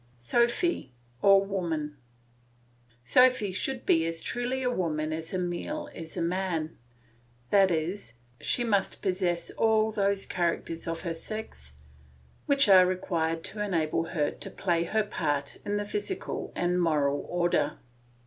SOPHY, OR WOMAN Sophy should be as truly a woman as Emile is a man, i.e., she must possess all those characters of her sex which are required to enable her to play her part in the physical and moral order.